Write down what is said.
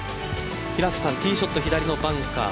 ティーショット左のバンカー